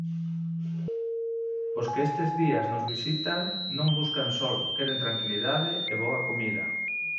Os que estes días nos visitan non buscan sol, queren tranquilidade e boa comida.